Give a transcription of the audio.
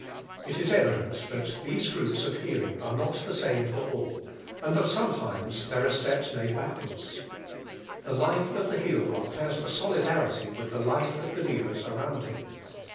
It is evident Hint these fruits of heal ing are not the same for nil, and mat sometimes then; are steps made back lUVINE I1CAI.1N1J. «!> wards. The life of the healed one has a solidarity with the life of believers around him.